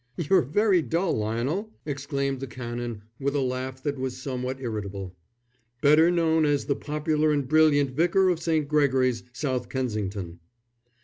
"You're very dull, Lionel," exclaimed the Canon, with a laugh that was somewhat irritable. "Better known as the popular and brilliant Vicar of St. Gregory's, South Kensington."